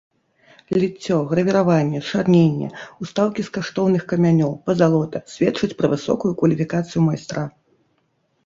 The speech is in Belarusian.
Ліццё, гравіраванне, чарненне, устаўкі з каштоўных камянёў, пазалота сведчаць пра высокую кваліфікацыю майстра.